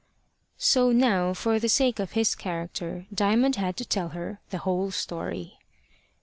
So now, for the sake of his character, Diamond had to tell her the whole story.